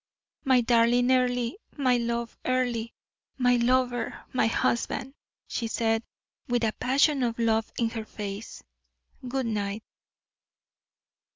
"My darling Earle, my love Earle, my lover, my husband!" she said, with a passion of love in her face, "good night."